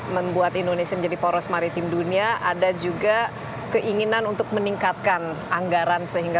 membuat indonesia menjadi poros maritim dunia ada juga keinginan untuk meningkatkan anggaran sehingga